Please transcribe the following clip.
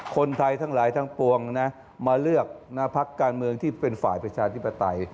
คนไทยทั้งหลายทั้งปวงนะมาเลือกพักการเมืองที่เป็นฝ่ายประชาธิปไตย